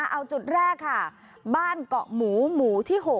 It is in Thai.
เอาจุดแรกค่ะบ้านเกาะหมูหมู่ที่๖